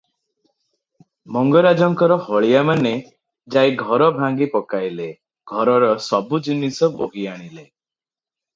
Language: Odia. ମଙ୍ଗରାଜଙ୍କର ହଳିଆମାନେ ଯାଇ ଘର ଭାଙ୍ଗି ପକାଇଲେ, ଘରର ସବୁ ଜିନିଷ ବୋହି ଆଣିଲେ ।